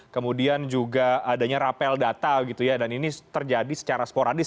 kemudian juga adanya rapel data gitu ya dan ini terjadi secara sporadis